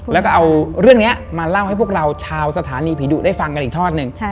แล้วก็เอาเรื่องนี้มาเล่าให้พวกเราชาวสถานีผีดุได้ฟังกันอีกทอดหนึ่ง